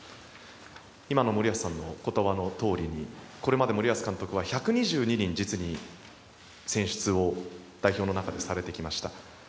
今の森保さんの言葉のとおりにこれまで森保監督は１２２人実に選出を代表の中でされてきました。